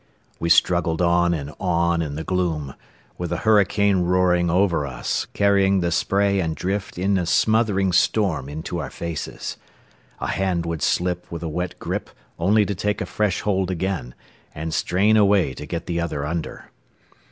We struggled on and on in the gloom, with the hurricane roaring over us, carrying the spray and drift in a smothering storm into our faces. A hand would slip with a wet grip only to take a fresh hold again, and strain away to get the other under.